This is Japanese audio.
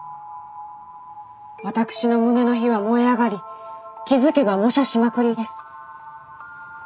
私の胸の火は燃え上がり気付けば模写しまくりです。